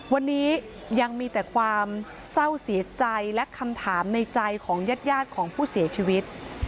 วันนี้ยังมีแต่ความเศร้าเสียใจและคำถามในใจของญาติของผู้เสียชีวิต